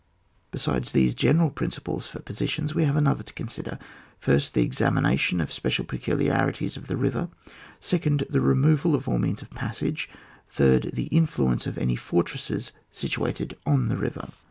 Besides these general principles for positions, we have to consider — first, the examination of the special peculiar ities of the river; second, the removal of all means of passage ; third, the iaduence of any fortresses situated on the river.